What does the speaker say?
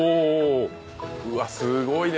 うわっすごいね！